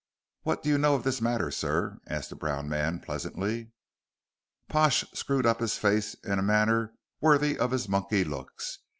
"What do you know of this matter, sir?" asked the brown man, pleasantly. Pash screwed up his face in a manner worthy of his monkey looks.